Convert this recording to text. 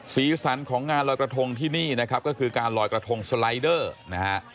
สีสันของงานลอยกระทงที่นี่นะครับก็คือการลอยกระทงสไลเดอร์นะฮะ